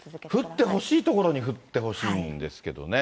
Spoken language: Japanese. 降ってほしい所に降ってほしいんですけどね。